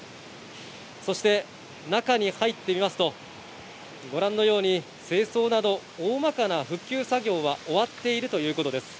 そして、中に入ってみますと、ご覧のように、清掃など大まかな復旧作業は終わっているということです。